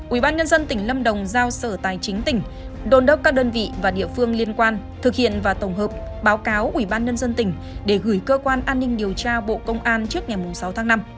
ubnd tỉnh lâm đồng giao sở tài chính tỉnh đôn đốc các đơn vị và địa phương liên quan thực hiện và tổng hợp báo cáo ủy ban nhân dân tỉnh để gửi cơ quan an ninh điều tra bộ công an trước ngày sáu tháng năm